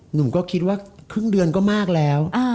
หนูก็คิดว่าครึ่งเดือนก็มากแล้ว